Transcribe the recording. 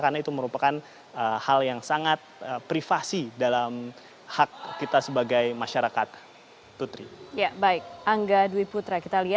karena itu merupakan hal yang sangat privasi dalam hak kita sebagai masyarakat tutri